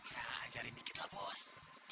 ya ajarin dikit lah bos